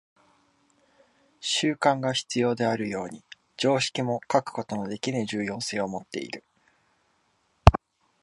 習慣が必要であるように、常識も欠くことのできぬ重要性をもっている。